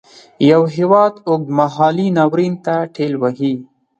یو هیواد اوږد مهالي ناورین ته ټېل وهي.